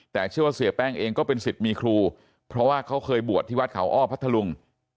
แต่เชื่อว่าเสียแป้งเองก็เป็นสิทธิ์มีครูเพราะว่าเขาเคยบวชที่วัดเขาอ้อพัทธลุง